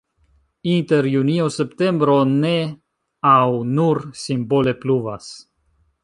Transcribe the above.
Inter junio-septembro ne aŭ nur simbole pluvas.